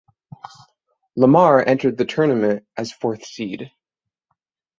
Lamar entered the tournament as fourth seed.